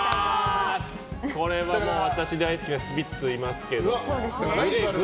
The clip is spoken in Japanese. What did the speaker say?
これはもう私大好きなスピッツいますけど。